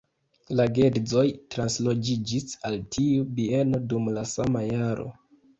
La geedzoj transloĝiĝis al tiu bieno dum la sama jaro.